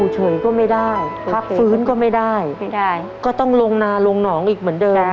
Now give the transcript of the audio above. ใช่ครับ